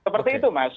seperti itu mas